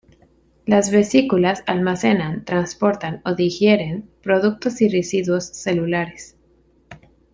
Las vesículas almacenan, transportan o digieren productos y residuos celulares.